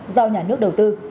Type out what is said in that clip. do nhà nước đầu tư